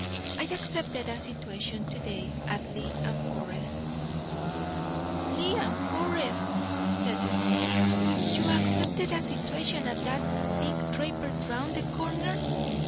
I accepted a situation to day at Lee & Forrest's." "Lee & Forrest's!" said the mother. "You accepted a situation at that big draper's round the corner?